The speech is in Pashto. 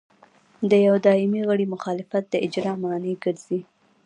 د یوه دایمي غړي مخالفت د اجرا مانع ګرځي.